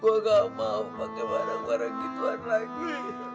gue gak mau pakai barang barang gituan lagi